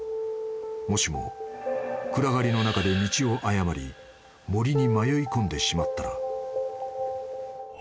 ［もしも暗がりの中で道を誤り森に迷い込んでしまったら］